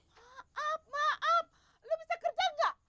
maaf maaf lu bisa kerja nggak